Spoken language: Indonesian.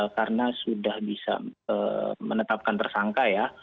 karena sudah bisa menetapkan tersangka ya